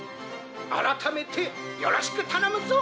「あらためてよろしくたのむぞ」